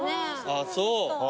ああそう。